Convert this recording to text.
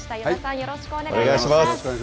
よろしくお願いします。